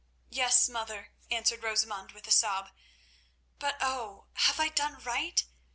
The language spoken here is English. "Yes, mother," answered Rosamund with a sob, "but oh! have I done right?